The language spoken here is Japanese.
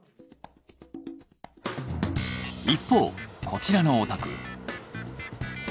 一方こちらのお宅。